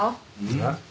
えっ？